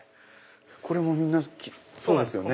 これもみんなそうですよね。